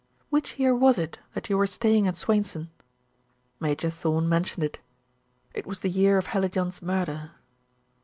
Which year was it that you were staying at Swainson?" Major Thorn mentioned it. It was the year of Hallijohn's murder.